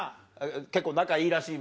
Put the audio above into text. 結構仲いいらしいもんね。